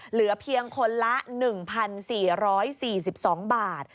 เหลือเพียงคนละ๑๔๔๒บาท